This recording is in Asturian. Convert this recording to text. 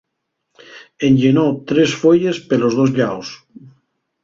Enllenó tres fueyes pelos dos llaos.